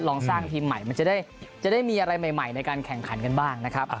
ลองสร้างทีมใหม่มันจะได้มีอะไรใหม่ในการแข่งขันกันบ้างนะครับ